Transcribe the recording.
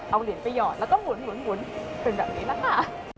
เอาหลินไปหยอดแล้วก็หมุนเป็นแบบนี้นะคะ